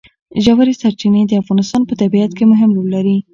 ژورې سرچینې د افغانستان په طبیعت کې مهم رول لري.